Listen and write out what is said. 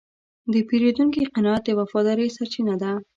د پیرودونکي قناعت د وفادارۍ سرچینه ده.